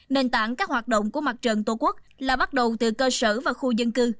nền tảng các hoạt động của mặt trận tổ quốc là bắt đầu từ cơ sở và khu dân cư